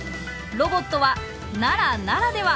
ロボットは奈良ならでは！